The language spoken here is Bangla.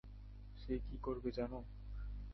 সে কী করবে জানো?